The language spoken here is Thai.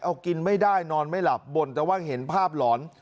เอากินไม่ได้นอนไม่หลับบ่นแต่ว่าเห็นภาพหลอน